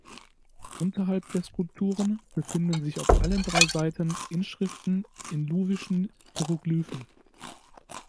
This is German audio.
Unterhalb der Skulpturen befinden sich auf allen drei Seiten Inschriften in luwischen Hieroglyphen.